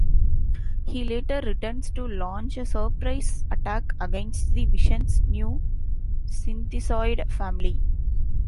He later returns to launch a surprise attack against the Vision's new synthezoid family.